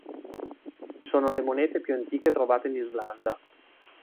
Sono le monete più antiche trovate in Islanda.